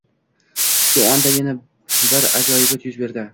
Shu onda yana bir ajoyibot yuz berdi